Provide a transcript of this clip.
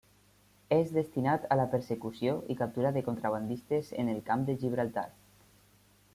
És destinat a la persecució i captura de contrabandistes en el camp de Gibraltar.